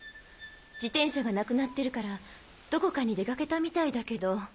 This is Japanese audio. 自転車がなくなってるからどこかに出かけたみたいだけど。